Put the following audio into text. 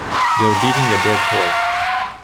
You're beating a dead horse